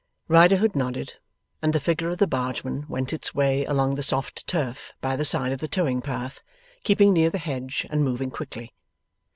Riderhood nodded, and the figure of the bargeman went its way along the soft turf by the side of the towing path, keeping near the hedge and moving quickly.